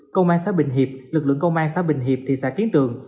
công an xã bình hiệp lực lượng công an xã bình hiệp thị xã tiến tường